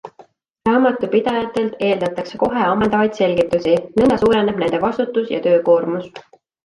Raamatupidajatelt eeldatakse kohe ammendavaid selgitusi, nõnda suureneb nende vastutus ja töökoormus.